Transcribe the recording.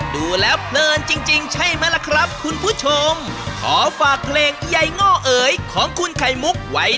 ยังโง่เอ๋ยอุปูอุปูอุปูอุปู